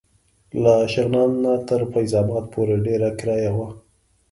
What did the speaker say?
له شغنان نه تر فیض اباد پورې ډېره کرایه وه.